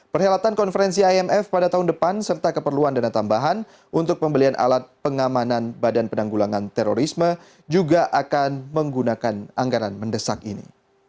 perhelatan konferensi imf pada tahun depan serta keperluan dana tambahan untuk pembelian alat pengamanan badan penanggulangan terorisme juga akan menggunakan anggaran mendesak ini